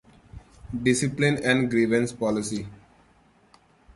Discipline and grievance policy.